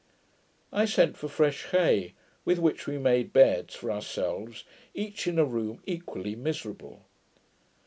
I sent for fresh hay, with which we made beds for ourselves, each in a room, equally miserable.